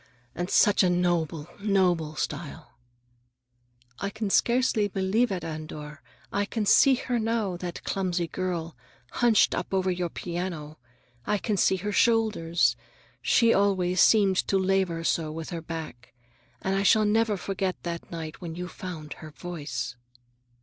And such a noble, noble style!" "I can scarcely believe it, Andor. I can see her now, that clumsy girl, hunched up over your piano. I can see her shoulders. She always seemed to labor so with her back. And I shall never forget that night when you found her voice."